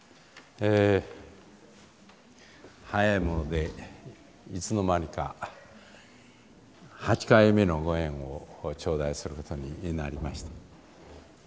早いものでいつの間にか８回目のご縁を頂戴することになりました。